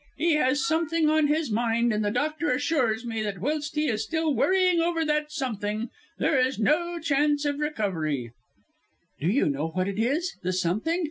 He has something on his mind, and the doctor assures me that whilst he is still worrying over that something, there is no chance of his recovery." "Do you know what it is the something?"